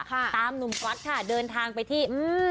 ตามหนุ่มก๊อตค่ะเดินทางไปที่อืม